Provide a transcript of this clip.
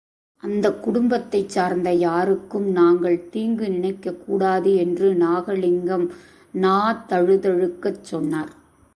அந்த குடும்பத்தைச் சார்ந்த யாருக்கும் நாங்கள் தீங்கு நினைக்கக் கூடாது என்று நாகலிங்கம் நா தழுதழுக்கச் சொன்னார்.